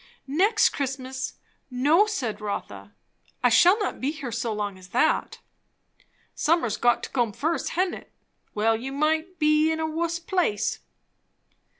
"Next Christmas! No," said Rotha. "I shall not be here so long as that." "Summer's got to come first, hain't it? Well, you might be in a wuss place."